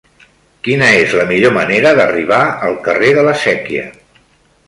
Quina és la millor manera d'arribar al carrer de la Sèquia?